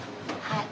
はい。